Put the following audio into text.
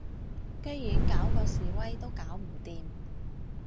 居然搞嗰示威都搞唔掂